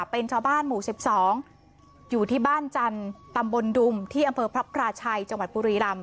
เป็นชาวบ้านหมู่๑๒อยู่ที่บ้านจันทร์ตำบลดุมที่อำเภอพระพราชัยจังหวัดบุรีรำ